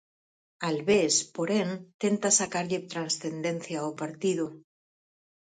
Albés, porén, tenta sacarlle transcendencia ó partido.